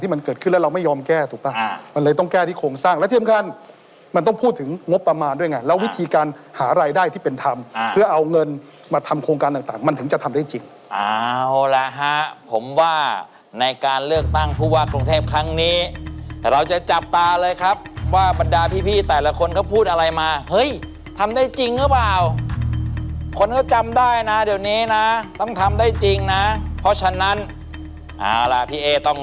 เราไม่ยอมแก้ถูกป่ะอ่ามันเลยต้องแก้ที่โครงสร้างและเทียบกันมันต้องพูดถึงงบประมาณด้วยไงแล้ววิธีการหารายได้ที่เป็นธรรมอ่าเพื่อเอาเงินมาทำโครงการต่างต่างมันถึงจะทำได้จริงอ่าโหล่ะฮะผมว่าในการเลือกตั้งผู้ว่ากรุงเทพครั้งนี้เราจะจับตาเลยครับว่าบรรดาพี่พี่แต่ละคนก็พูดอะไร